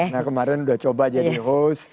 nah kemarin udah coba jadi host